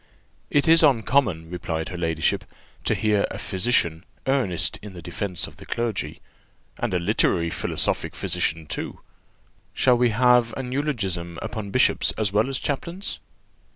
"It is uncommon," replied her ladyship, "to hear a physician earnest in the defence of the clergy and a literary philosophic physician too! Shall we have an eulogium upon bishops as well as chaplains?"